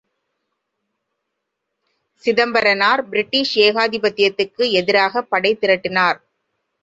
Chidambaranar British ஏகாதிபத்தியத்துக்கு எதிராகப் படை திரட்டினார்.